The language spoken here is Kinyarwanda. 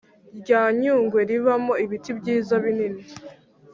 rya nyungwe ribamo ibiti byiza binini